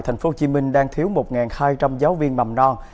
thành phố hồ chí minh đang thiếu một hai trăm linh giáo viên mầm non